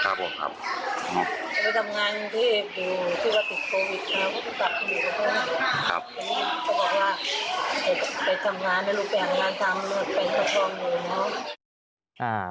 อ่า